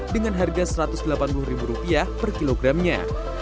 dengan harga rp satu ratus delapan puluh per kilogramnya